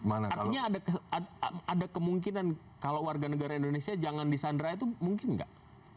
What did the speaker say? artinya ada kemungkinan kalau warga negara indonesia jangan disandera itu mungkin nggak